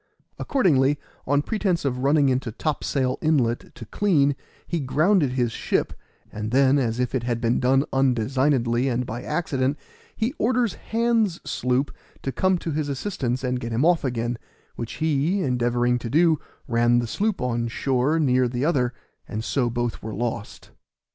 Accordingly, on pretense of running into Topsail inlet to clean, he grounded his ship, and then, as if it had been done undesignedly and by accident, he orders Hands' sloop to come to his assistance and get him off again, which he, endeavoring to do, ran the sloop on shore near the other, and so were both lost.